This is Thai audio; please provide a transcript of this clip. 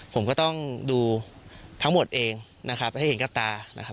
ผมก็ต้องดูทั้งหมดเองนะครับให้เห็นกับตานะครับ